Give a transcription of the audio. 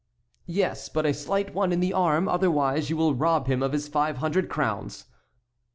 "Yes, but a slight one in the arm; otherwise you will rob him of his five hundred crowns."